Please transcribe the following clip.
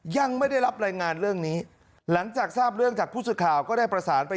ยังไม่ได้รับรายงานเรื่องนี้หลังจากทราบเรื่องจากผู้สื่อข่าวก็ได้ประสานไป